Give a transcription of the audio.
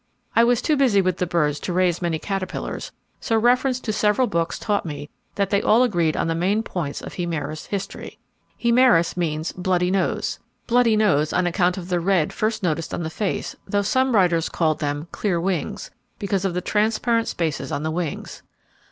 I was too busy with the birds to raise many caterpillars, so reference to several books taught me that they all agreed on the main points of Hemaris history. Hemaris means 'bloody nose.' 'Bloody nose' on account of the red first noticed on the face, though some writers called them 'Clear wings,' because of the transparent spaces on the wings.